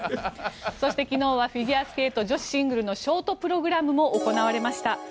そして、昨日はフィギュアスケート女子シングルのショートプログラムも行われました。